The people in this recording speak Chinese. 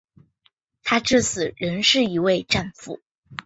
他至死仍是一位战俘。